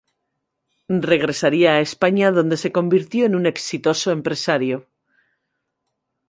Regresaría a España, donde se convirtió en un exitoso empresario.